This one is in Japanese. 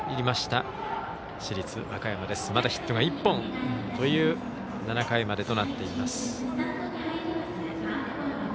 まだヒットが１本という７回までとなっています。